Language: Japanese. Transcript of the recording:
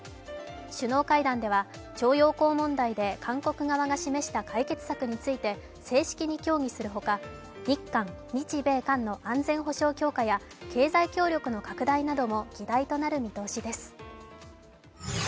首脳会談では、徴用工問題で韓国側が示した解決策について正式に協議するほか、日韓・日米韓の安全保障強化や経済協力の拡大なども議題となる見通しです。